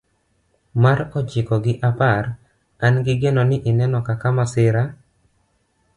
Mar ochiko gi apar an gi geno ni ineno kaka masira